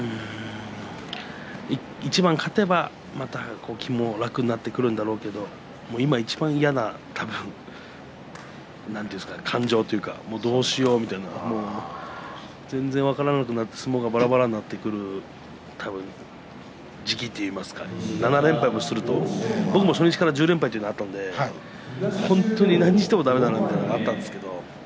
一番勝てばまた気も楽になってくるんだろうけど今、いちばん嫌な感情というかどうしようという相撲がばらばらになってくる時期といいますか７連敗もすると僕も初日から１０連敗がありますが本当に何をしてもだめな時がありました。